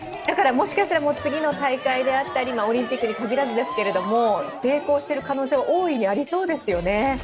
だから、もしかしたら次の大会であったり、オリンピックに限らずですけども成功している可能性は大いにありそうですよね。